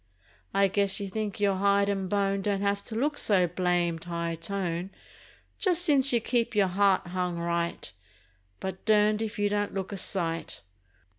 I guess you think your hide and bone Don't have to look so blamed high tone Just since you keep your heart hung right,— But durned if you don't look a sight.